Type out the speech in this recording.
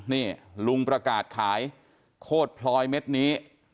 นี่ลุงประกาศขายโคตรพลอยเม็ดนี้